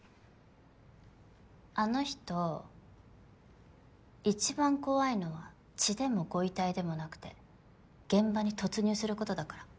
あの人一番怖いのは血でもご遺体でもなくて現場に突入することだから。